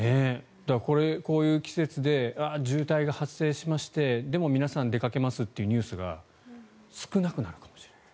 こういう季節で渋滞が発生しましてでも皆さん出かけますというニュースが少なくなるかもしれない。